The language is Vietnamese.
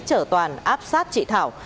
chở toàn áp sát chị thảo